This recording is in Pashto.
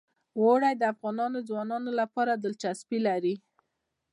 اوړي د افغان ځوانانو لپاره دلچسپي لري.